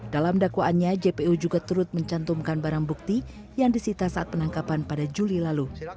dalam dakwaannya jpu juga turut mencantumkan barang bukti yang disita saat penangkapan pada juli lalu